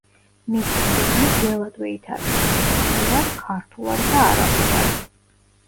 მისი წიგნი ძველადვე ითარგმნა ბერძნულად, ქართულად და არაბულად.